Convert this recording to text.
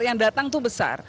yang datang itu besar